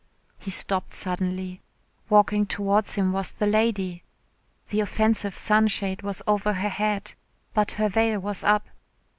He stopped suddenly. Walking towards him was the lady. The offensive sunshade was over her head, but her veil was up.